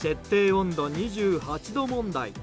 温度２８度問題。